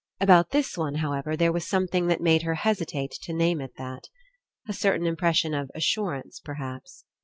About this one, however, there was something that made her hesitate to name It that. A certain impression of assurance, perhaps.